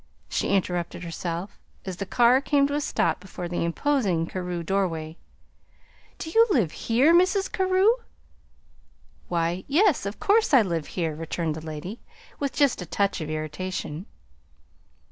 she interrupted herself, as the car came to a stop before the imposing Carew doorway. "Do you live here, Mrs. Carew?" "Why, yes, of course I live here," returned the lady, with just a touch of irritation.